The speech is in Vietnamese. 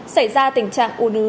xảy ra tình trạng u nứ